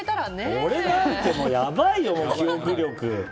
俺なんてやばいよ記憶力。